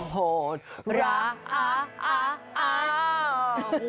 โหดรัก